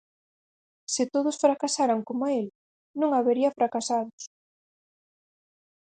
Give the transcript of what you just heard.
Se todos fracasaran como el, non habería fracasados.